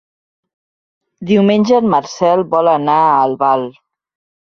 Diumenge en Marcel vol anar a Albal.